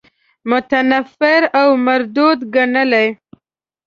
متنفر او مردود ګڼلی.